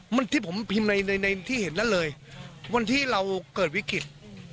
มันที่ผมพิมพ์ในในที่เห็นนั่นเลยวันที่เราเกิดวิกฤต